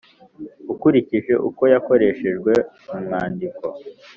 ukurikije uko yakoreshejwe mu mwandiko